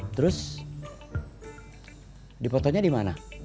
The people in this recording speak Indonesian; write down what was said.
terus dipotonya di mana